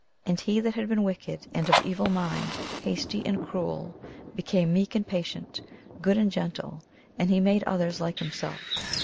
And he that had been wicked and of evil mind, hasty and cruel, became meek and patient, good and gentle, and he made others like himself.